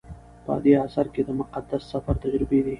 په دې اثر کې د مقدس سفر تجربې دي.